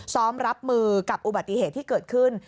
รับมือกับอุบัติเหตุที่เกิดขึ้น